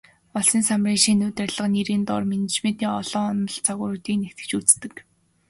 Улсын салбарын шинэ удирдлага нэрийн доор менежментийн олон онол, загваруудыг нэгтгэж үздэг.